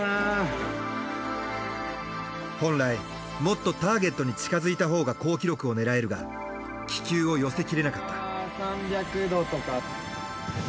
本来もっとターゲットに近づいたほうが好記録を狙えるが気球を寄せきれなかった。